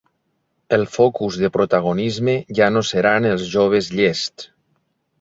Els focus de protagonisme ja no seran els joves llests.